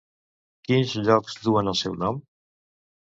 Quins llocs duen el seu nom?